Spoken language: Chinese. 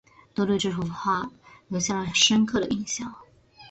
都对这幅画留下了深刻的印象